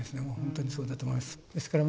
もう本当にそうだと思います。